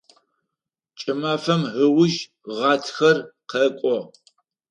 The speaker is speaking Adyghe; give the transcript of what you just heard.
Кӏымафэм ыуж гъатхэр къэкӏо.